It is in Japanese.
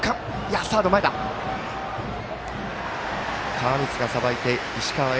川満がさばいて、石川へ。